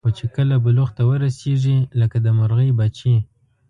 خو چې کله بلوغ ته ورسېږي لکه د مرغۍ بچي.